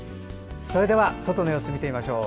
それでは外の様子を見てみましょう。